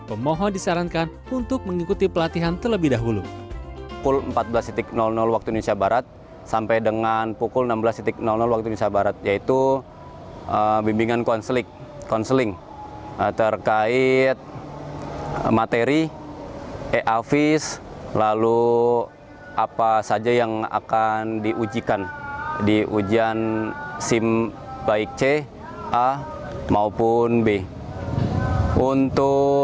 pemohon disarankan untuk mengikuti pelatihan terlebih dahulu pukul empat belas waktu indonesia barat